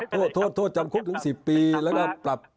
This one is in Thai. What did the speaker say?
โทษจำคุกถึง๑๐ปีแล้วก็ปรับ๒๐๐๐๐๐